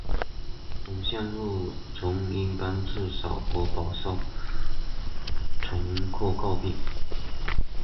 本路线曾因班次少而饱受乘客诟病。